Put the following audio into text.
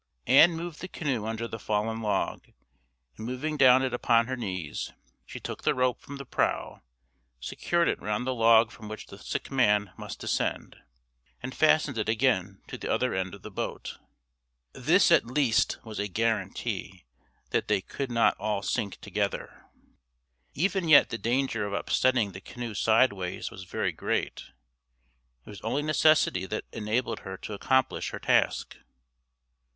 Ann moved the canoe under the fallen log, and moving down it upon her knees, she took the rope from the prow, secured it round the log from which the sick man must descend, and fastened it again to the other end of the boat. This at least was a guarantee that they could not all sink together. Even yet the danger of upsetting the canoe sideways was very great. It was only necessity that enabled her to accomplish her task.